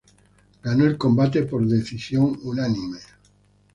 Ganó el combate por decisión unánime.